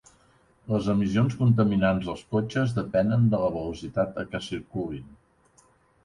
Les emissions contaminants dels cotxes depenen de la velocitat a què circulin.